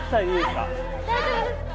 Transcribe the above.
大丈夫ですか？